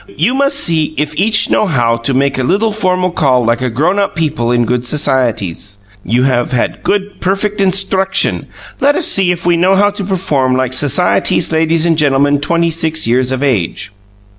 You must see if each know how to make a little formal call like a grown up people in good societies. You have had good, perfect instruction; let us see if we know how to perform like societies ladies and gentlemen twenty six years of age.